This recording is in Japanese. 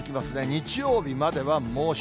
日曜日までは猛暑。